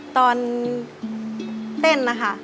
ตอนเต้นนะคะ